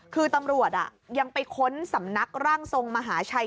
คือตำรวจยังไปค้นสำนักร่างทรงมหาชัย